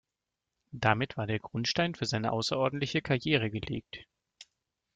Damit war der Grundstein für seine außerordentliche Karriere gelegt.